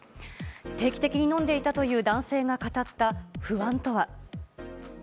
定期的に飲んでいたという男性が語った不安とは。